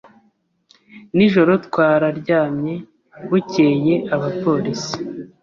Nijoro twararyamye, bucyeye abapolisi